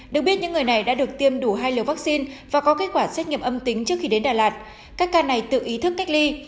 được biết những người này đã được tiêm đủ hai liều vaccine và có kết quả xét nghiệm âm tính trước khi đến đà lạt các ca này tự ý thức cách ly